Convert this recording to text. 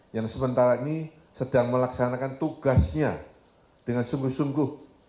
yang sementara ini sedang melaksanakan tugasnya dengan sungguh sungguh